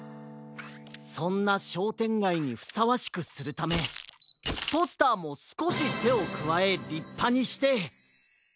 そんなしょうてんがいにふさわしくするためポスターもすこしてをくわえりっぱにして。